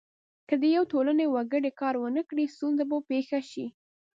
که د یوې ټولنې وګړي کار ونه کړي ستونزه به پیښه شي.